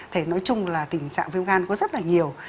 thể nói chung là tình trạng viêm gan có rất là nhiều